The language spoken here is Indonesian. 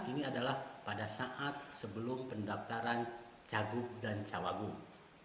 ini adalah pada saat sebelum pendaftaran cagup dan cawagung